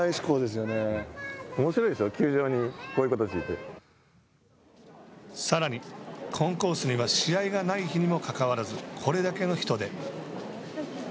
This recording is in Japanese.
おもしろいでしょう、こういうさらに、コンコースには試合がない日にもかかわらずこれだけの人出。